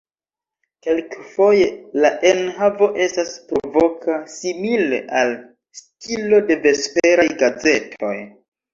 Kelkfoje la enhavo estas provoka, simile al stilo de vesperaj gazetoj.